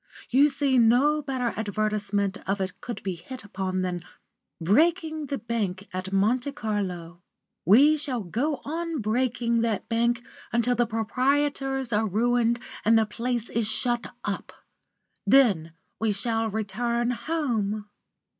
You see no better advertisement of it could be hit upon than breaking the bank at Monte Carlo. We shall go on breaking that bank until the proprietors are ruined and the place is shut up. Then we shall return home."